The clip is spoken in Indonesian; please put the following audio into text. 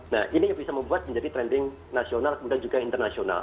nah ini yang bisa membuat menjadi trending nasional kemudian juga internasional